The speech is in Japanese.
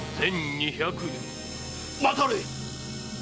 待たれい！